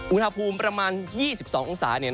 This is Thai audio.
อุณหภูมิประมาณ๒๒องศา